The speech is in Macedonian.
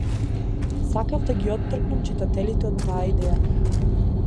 Сакаав да ги оттргнам читателите од таа идеја.